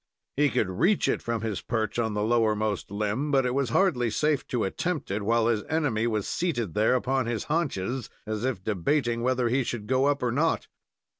He could reach it from his perch on the lowermost limb, but it was hardly safe to attempt it while his enemy was seated there upon his haunches, as if debating whether he should go up or not.